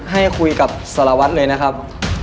ให้คุยกับสารวัตรเลยนะครับ